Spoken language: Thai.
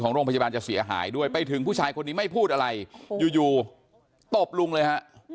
โรงพยาบาลจะเสียหายด้วยไปถึงผู้ชายคนนี้ไม่พูดอะไรอยู่อยู่ตบลุงเลยฮะ